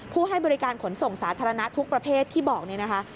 ให้บริการขนส่งสาธารณะทุกประเภทที่บอกนี่นะคะ